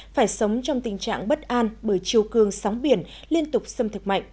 phải sống trong tình trạng bất an bởi chiều cương sóng biển liên tục xâm thực mạnh